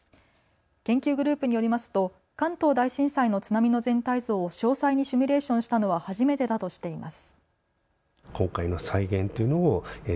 研究グループによりますと関東大震災の津波の全体像を詳細にシミュレーションしたのは初めてだとしています。